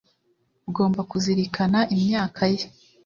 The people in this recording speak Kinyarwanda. ugomba kuzirikana imyaka ye